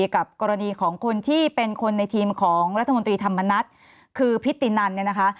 กับกรณีของคนที่เป็นคนในทีมของรัฐมนตรีธรรมนัฐคือพิธีนันเนี่ยนะคะ